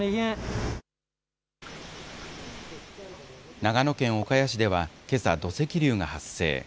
長野県岡谷市ではけさ土石流が発生。